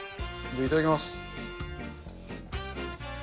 いただきます。